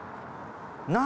何？